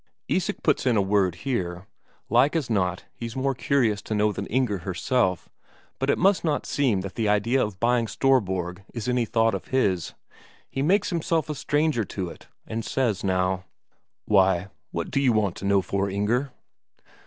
Isak puts in a word here; like as not he's more curious to know than Inger herself, but it must not seem that the idea of buying Storborg is any thought of his; he makes himself a stranger to it, and says now: "Why, what you want to know for, Inger?"